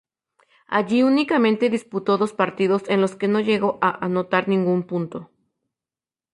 Allí únicamente disputó dos partidos en los que no llegó a anotar ningún punto.